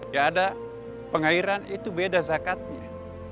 ya ada pengairan itu beda zakatnya